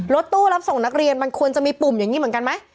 รถตู้รับส่งนักเรียนมันควรจะมีปุ่มอย่างนี้เหมือนกันไหม